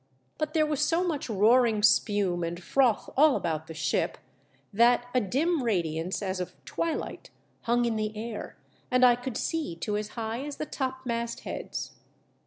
But there was so much roaring spume and froth all about the ship, that a dim radiance as of twilight hung in the air, and I could see to as high as the topmast heads.